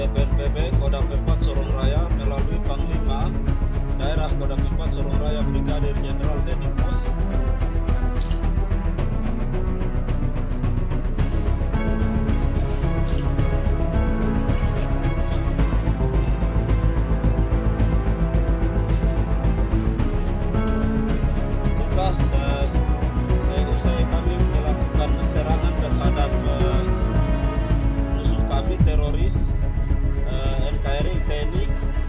pnpk motor motor raya melalui panglima daerah pnp